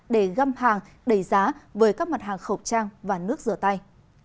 để găm hàng đầy giá với các mặt hàng khẩu trang và nước rửa tay